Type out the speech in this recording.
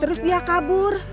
terus dia kabur